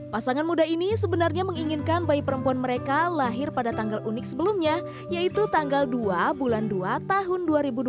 pasangan muda ini sebenarnya menginginkan bayi perempuan mereka lahir pada tanggal unik sebelumnya yaitu tanggal dua bulan dua tahun dua ribu dua puluh